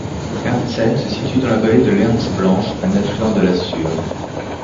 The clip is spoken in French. Ernzen se situe dans la vallée de l’Ernz Blanche, un affluent de la Sûre.